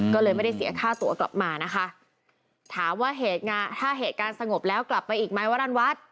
ก็เลยไม่ได้เสียค่าตัวกลับมานะคะถามว่าเหตุงานถ้าเหตุการณ์สงบแล้วกลับไปอีกไหมวรรณวัฒน์